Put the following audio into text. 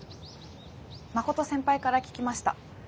真琴先輩から聞きました。